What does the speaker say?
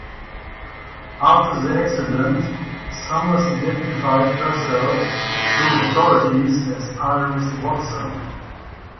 After the accident, Summers identified herself to authorities as Iris Watson.